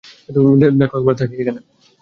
দ্যাখো একবার তাকিয়ে।